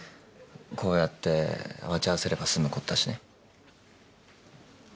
こうやって待ち合わせれば済むことだしね。